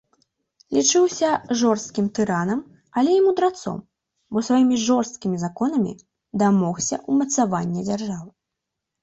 Лічыўся жорсткім тыранам, але і мудрацом, бо сваімі жорсткімі законамі дамогся ўмацавання дзяржавы.